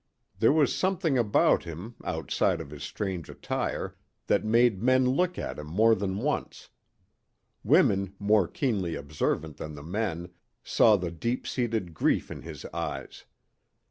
There was something about him, outside of his strange attire, that made men look at him more than once. Women, more keenly observant than the men, saw the deep seated grief in his eyes.